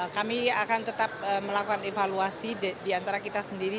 kami akan tetap melakukan evaluasi di antara kita sendiri